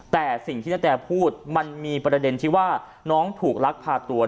แต่สิ่งที่ณแตพูดมันมีประเด็นที่ว่าน้องถูกลักพาตัว